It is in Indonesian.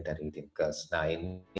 dari tim kesedain